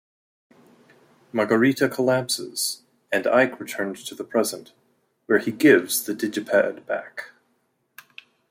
Margarete collapses, and Eike returns to the present, where he gives the Digipad back.